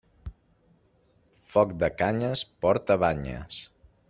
Foc de canyes porta banyes.